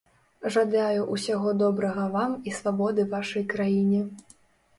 Жадаю усяго добрага вам і свабоды вашай краіне.